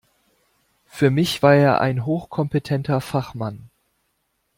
Für mich war er ein hochkompetenter Fachmann.